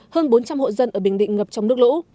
hơn bốn trăm linh hộ dân ở bình định ngập trong nước lũ